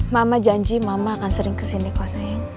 mama janji mama akan sering kesini kok sayang